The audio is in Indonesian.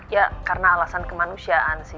ya karena alasan kemanusiaan sih